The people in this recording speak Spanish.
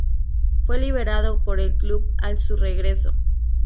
Fue liberado por el club al su regreso.